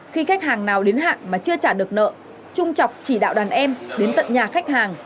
khi khách hàng nào đến hạn mà chưa trả được nợ trung trọng chỉ đạo đàn em đến tận nhà khách hàng